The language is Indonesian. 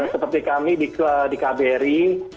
seperti kami di kbri